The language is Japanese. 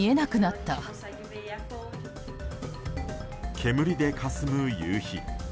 煙でかすむ夕日。